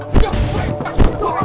dimulai atas segala khabar